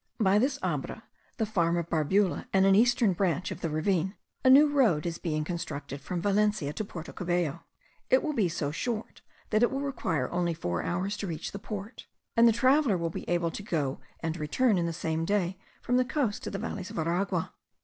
By this abra, the farm of Barbula, and an eastern branch of the ravine, a new road is being constructed from Valencia to Porto Cabello. It will be so short, that it will require only four hours to reach the port; and the traveller will be able to go and return in the same day from the coast to the valleys of Aragua.